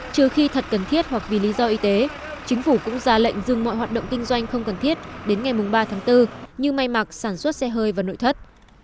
trừ khi thật cần thiết hoặc vì lý do y tế chính phủ cũng ra lệnh dừng mọi hoạt động kinh doanh không cần thiết đến ngày ba tháng bốn như may mặc sản xuất xe hơi và nội thất